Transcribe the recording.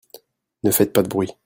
Ne faites pas de bruit.